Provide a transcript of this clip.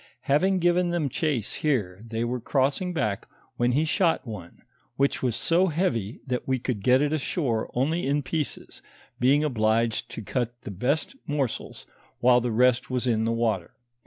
Having given them chase here, they were crossing back when he shot one, which was so heavy that we could get it ashore only in pieces, being obliged to cut the best moreels, while the rest was in the water.